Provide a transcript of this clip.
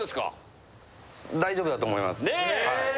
大丈夫だと思いますねえ！